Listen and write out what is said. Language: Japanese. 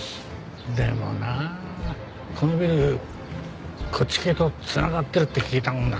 でもなあこのビルこっち系と繋がってるって聞いたもんだからさ。